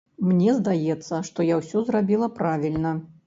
Мне здаецца, што я ўсё зрабіла правільна.